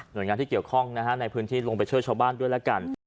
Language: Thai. โดยงานที่เกี่ยวข้องนะฮะในพื้นที่ลงไปช่วยชาวบ้านด้วยแล้วกัน